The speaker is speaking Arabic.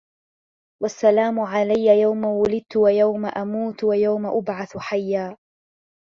والسلام علي يوم ولدت ويوم أموت ويوم أبعث حيا